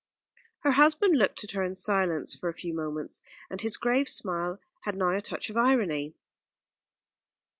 Her husband looked at her in silence for a few moments; and his grave smile had now a touch of irony.